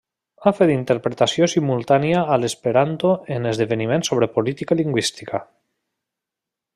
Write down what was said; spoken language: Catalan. Ha fet interpretació simultània a l'esperanto en esdeveniments sobre política lingüística.